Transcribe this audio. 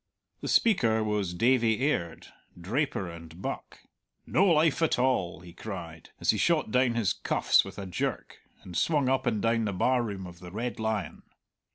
The speaker was Davie Aird, draper and buck. "No life at all," he cried, as he shot down his cuffs with a jerk, and swung up and down the bar room of the Red Lion.